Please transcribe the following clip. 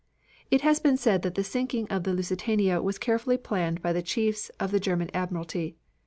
It has been said that the sinking of the Lusitania was carefully planned by the chiefs of the German admiralty.